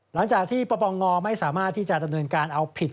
หลังจากที่ปปงไม่สามารถที่จะดำเนินการเอาผิด